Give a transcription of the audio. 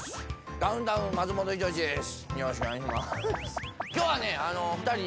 ダウンタウン松本人志です。